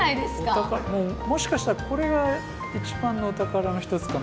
お宝もしかしたらこれが一番のお宝の一つかもしれないですね。